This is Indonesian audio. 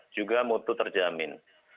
juga mutu terjamin